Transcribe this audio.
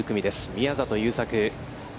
宮里優作。